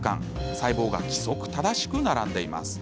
細胞が規則正しく並んでいます。